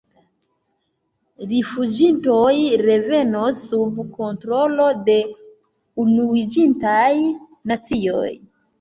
Rifuĝintoj revenos sub kontrolo de Unuiĝintaj Nacioj.